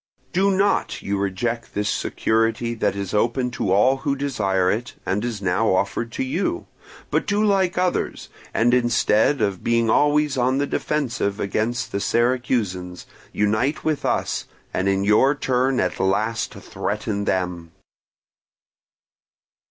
Do not you reject this security that is open to all who desire it, and is now offered to you; but do like others, and instead of being always on the defensive against the Syracusans, unite with us, and in your turn at last threaten them."